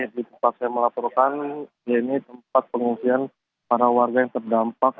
di tempat saya melaporkan ini tempat pengungsian para warga yang terdampak